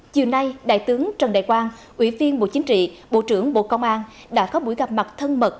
chiều nay đại tướng trần đại quang ủy viên bộ chính trị bộ trưởng bộ công an đã có buổi gặp mặt thân mật